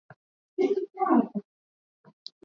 Nyasi ni mingi eneo hili